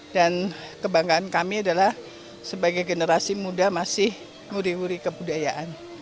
dan kebanggaan kami adalah sebagai generasi muda masih muri muri kebudayaan